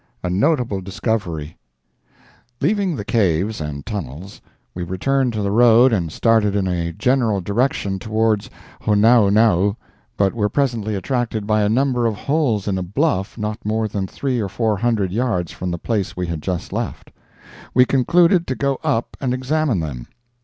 A NOTABLE DISCOVERY Leaving the caves and tunnels, we returned to the road and started in a general direction toward Honaunau but were presently attracted by a number of holes in a bluff not more than three or four hundred yards from the place we had just left. We concluded to go up and examine them.